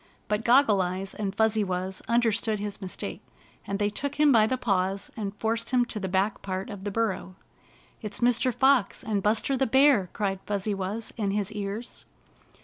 But (ioggle Eyes and Fuzzy Wuzz under stood his mistake, and they took him by the paws and forced him to the back part of the burrow. "It's Mr. Fox and Buster the Bear!" cried Fuzzy Wuzz in his ears.